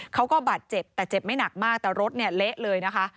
เขาก็บาดเจ็บแต่เจ็บไม่หนักมากแต่รถเนี่ยเละเลยนะคะ